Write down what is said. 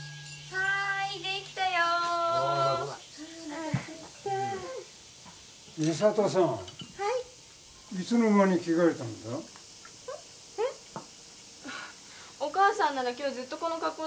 お母さんなら今日ずっとこの格好だよ。